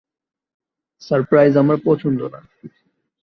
Surprise আমার পছন্দ না।